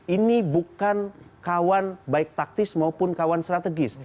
ini bukan kawan baik taktis maupun kawan strategis